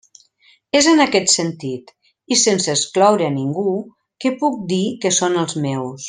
És en aquest sentit, i sense excloure a ningú, que puc dir que són els meus.